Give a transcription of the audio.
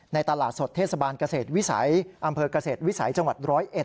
ตลาดสดเทศบาลเกษตรวิสัยอำเภอกเกษตรวิสัยจังหวัด๑๐๑